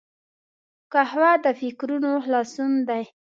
قهوه د فکرونو خلاصون دی